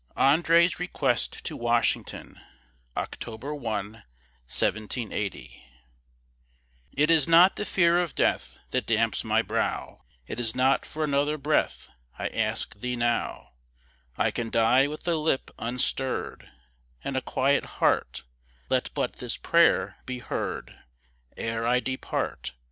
ANDRÉ'S REQUEST TO WASHINGTON [October 1, 1780] It is not the fear of death That damps my brow, It is not for another breath I ask thee now; I can die with a lip unstirr'd And a quiet heart Let but this prayer be heard Ere I depart.